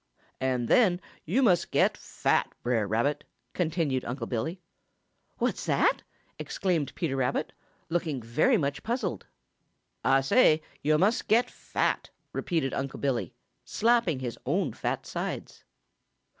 "And then yo' must get fat, Brer Rabbit," continued Unc' Billy. "What's that?" exclaimed Peter Rabbit, looking very much puzzled. "Ah say yo' must get fat," repeated Unc' Billy, slapping his own fat sides.